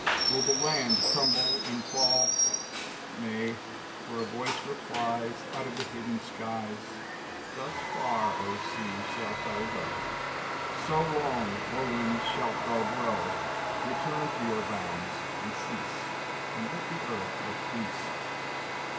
Will the land crumble and fall? Nay, for a voice replies Out of the hidden skies, "Thus far, O sea, shalt thou go, So long, O wind, shalt thou blow: Return to your bounds and cease, And let the earth have peace!"